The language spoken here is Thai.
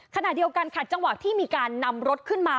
ขณะเดียวกันค่ะจังหวะที่มีการนำรถขึ้นมา